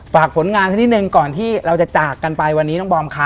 ฝากผลงานสักนิดหนึ่งก่อนที่เราจะจากกันไปวันนี้น้องบอมค่ะ